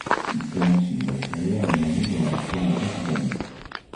Il commence une nouvelle carrière la même année dans la Ford Motor Company.